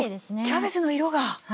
キャベツの色が！